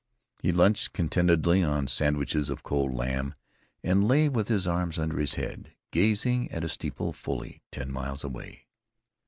He lunched contentedly on sandwiches of cold lamb, and lay with his arms under his head, gazing at a steeple fully ten miles away.